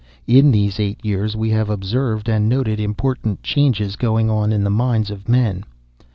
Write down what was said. In these eight years, we have observed and noted important changes going on in the minds of men.